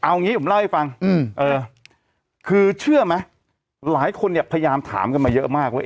เอางี้ผมเล่าให้ฟังคือเชื่อไหมหลายคนเนี่ยพยายามถามกันมาเยอะมากว่า